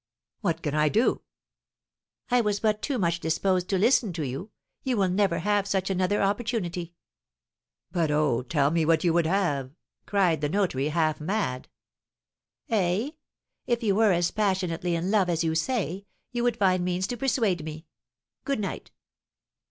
What can I do?" "I was but too much disposed to listen to you; you will never have such another opportunity." "But oh, tell me what you would have!" cried the notary, half mad. "Eh! If you were as passionately in love as you say, you would find means to persuade me. Good night!"